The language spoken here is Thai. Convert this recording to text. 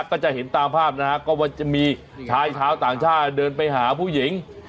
ก็จะเห็นตามภาพนะฮะก็ว่าจะมีชายชาวต่างชาติเดินไปหาผู้หญิง